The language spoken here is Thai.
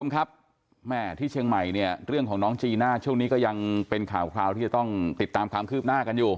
คุณผู้ชมครับแม่ที่เชียงใหม่เนี่ยเรื่องของน้องจีน่าช่วงนี้ก็ยังเป็นข่าวคราวที่จะต้องติดตามความคืบหน้ากันอยู่